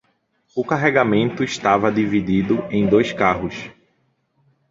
O carregamento estava dividido em dois carros